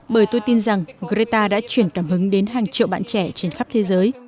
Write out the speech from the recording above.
bởi tôi tin rằng greta đã chuyển cảm hứng đến hàng triệu bạn trẻ trên khắp thế giới